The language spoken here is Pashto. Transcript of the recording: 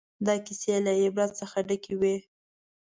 دا کیسې له عبرت څخه ډکې وې.